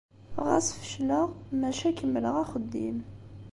Ɣas fecleɣ, maca kemmleɣ axeddim.